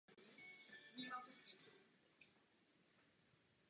Ron Paul původně neměl v úmyslu přímo podpořit žádného z těchto čtyři kandidátů.